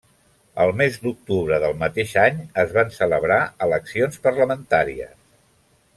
El mes d'octubre del mateix any es van celebrar eleccions parlamentàries.